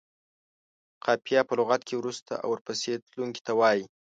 قافیه په لغت کې وروسته او ورپسې تلونکي ته وايي.